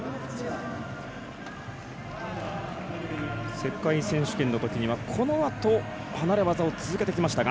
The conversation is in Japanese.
世界選手権のときには、このあと離れ技を続けてきましたが。